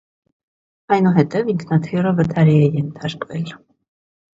Այնուհետև ինքնաթիռը վթարի է ենթարկվել։